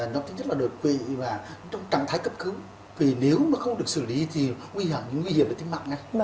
nó chính là đột quỵ trong trạng thái cấp cứu vì nếu mà không được xử lý thì nguy hiểm đến tính mạng